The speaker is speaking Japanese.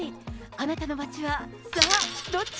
あなたの街は、さあ、どっち？